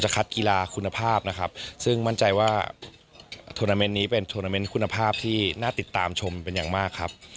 จะคัดกีฬาคุณภาพเพื่อมั่นใจว่าวิดีโรงพยาบาลนี้เป็นธุรการคุณภาพที่น่าติดตามชมเป็นอย่างมากครับ